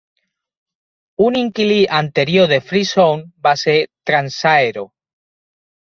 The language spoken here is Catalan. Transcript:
Un inquilí anterior de Free Zone va ser Transaero.